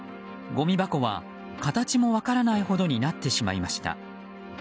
ごみ箱は形も分からないほどになってしまいました。